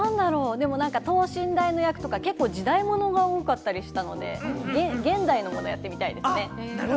でも等身大の役とか、結構時代ものが多かったりしたので、現代のものやってみたいですね。